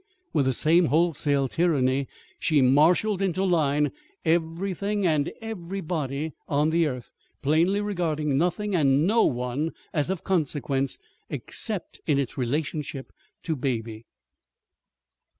With the same wholesale tyranny she marshaled into line everything and everybody on the earth, plainly regarding nothing and no one as of consequence, except in its relationship to Baby.